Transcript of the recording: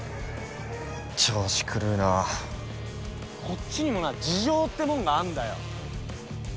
こっちにもな事情ってもんがあんだよ。